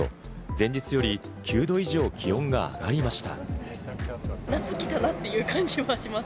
前日より９度以上、気温が上がりました。